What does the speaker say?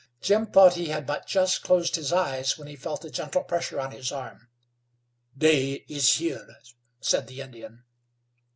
Jim thought he had but just closed his eyes when he felt a gentle pressure on his arm. "Day is here," said the Indian.